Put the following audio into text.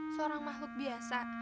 seorang makhluk biasa